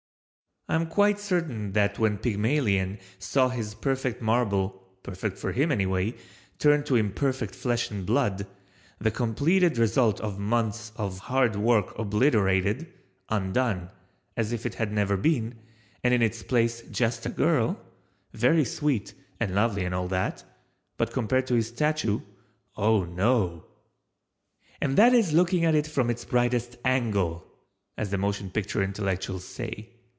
I am quite certain that when Pygmalion saw his perfect marble (perfect to him anyway) turn to imperfect flesh and blood, the completed result of months of hard work obliterated—undone—as if it had never been—and in its place "just a girl," very sweet and lovely and all that—but compared to his statue—oh no! And that is looking at it from its brightest "angle" (as the motion picture intellectuals say).